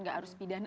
tidak harus pidana